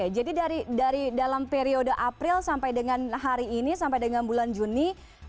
jadi dari dalam periode april sampai dengan hari ini sampai dengan bulan juni